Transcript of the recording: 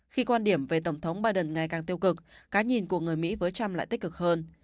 khi quan điểm về tổng thống biden ngày càng tiêu cực cái nhìn của người mỹ với trump lại tích cực hơn